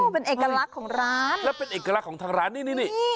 เป็นเอกลักษณ์ของร้านแล้วเป็นเอกลักษณ์ของทางร้านนี่นี่